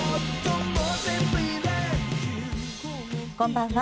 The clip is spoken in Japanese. こんばんは。